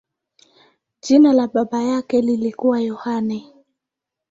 Jina la baba yake lilikuwa Yohane.